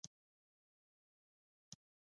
څنګه کولی شم د ماشومانو لپاره د ایمان قوي کړم